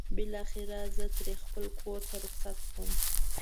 بالاخره زه ترې خپل کور ته رخصت شوم.